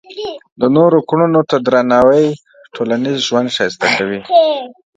د نورو کړنو ته درناوی ټولنیز ژوند ښایسته کوي.